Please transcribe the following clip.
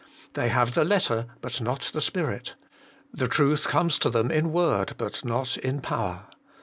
They have the letter but not the spirit ; the Truth comes to them in word but not in power.